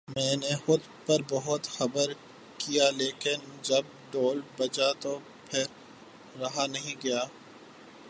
میں نے خود پر بہت جبر کیا لیکن جب ڈھول بجا تو پھر رہا نہیں گیا